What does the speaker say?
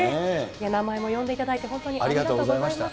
名前も呼んでいただいて、本当にありがとうございました。